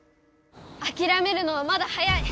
あきらめるのはまだ早い！